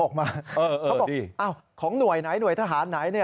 เขาบอกของหน่วยไหนหน่วยทหารไหน